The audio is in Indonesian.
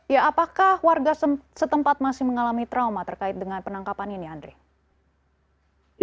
ya apakah warga setempat masih mengalami trauma terkait dengan penangkapan ini andri